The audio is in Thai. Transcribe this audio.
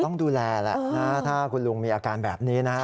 ต้องดูแลแหละนะถ้าคุณลุงมีอาการแบบนี้นะฮะ